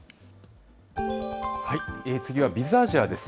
次はＢｉｚアジアです。